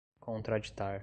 contraditar